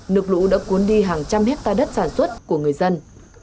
nước lũ đã cuốn đi hàng trăm hectare đất sản xuất của người dân